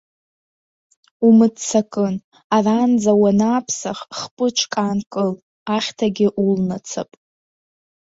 Умыццакын, араанӡа уанааԥсах хпыҿк аанкыл, ахьҭагьы улнацап.